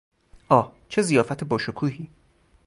آه، چه ضیافت با شکوهی!